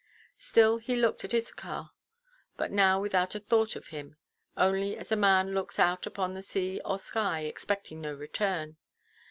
Still he looked at Issachar, but now without a thought of him; only as a man looks out upon the sea or sky, expecting no return.